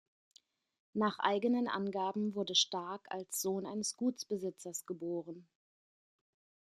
Nach eigenen Angaben wurde Stark als Sohn eines Gutsbesitzers geboren.